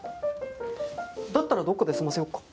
だったらどこかで済ませようか。